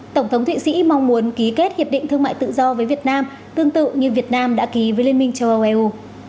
tổng thống thụy sĩ mong muốn ký kết hiệp định thương mại tự do với việt nam tương tự như việt nam đã ký với liên minh châu âu eu